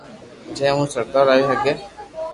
جي مون سودارو آوي ھگي